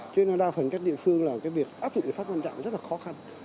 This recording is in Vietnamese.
cho nên đa phần các địa phương là việc áp dụng hình phạt quan trọng rất là khó khăn